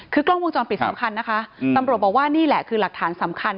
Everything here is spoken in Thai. คือกล้องวงจรปิดสำคัญนะคะตำรวจบอกว่านี่แหละคือหลักฐานสำคัญ